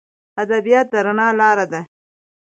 ادبیات د رڼا لار ده.